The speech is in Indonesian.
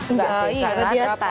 enggak sih karena dia tight